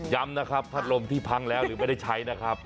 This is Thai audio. ย้ำนะครับพัดลมที่พังแล้วหรือไม่ได้ใช้นะครับ